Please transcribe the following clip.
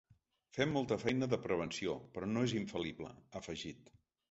Fem molta feina de prevenció, però no és infal·lible, ha afegit.